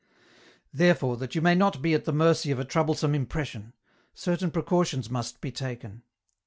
" Therefore that you may not be at the mercy of a troublesome impression, certain precautions must be taken.